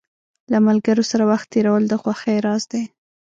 له ملګرو سره وخت تېرول د خوښۍ راز دی.